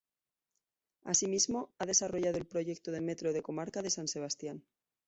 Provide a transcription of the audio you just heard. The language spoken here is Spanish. Asimismo, ha desarrollado el proyecto de Metro de Comarca de San Sebastián.